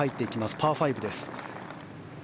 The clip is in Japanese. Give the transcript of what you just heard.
パー５です。